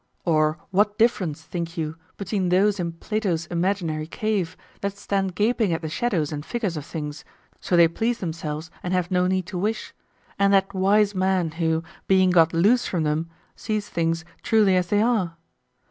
Or what difference, think you, between those in Plato's imaginary cave that stand gaping at the shadows and figures of things, so they please themselves and have no need to wish, and that wise man, who, being got loose from them, sees things truly as they are?